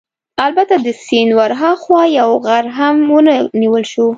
البته د سیند ورهاخوا یو غر هم ونه نیول شو.